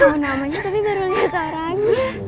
oh namanya tapi baru liat orangnya